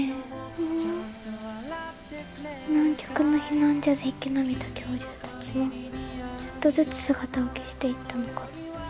うん南極の避難所で生き延びた恐竜たちもちょっとずつ姿を消していったのかな？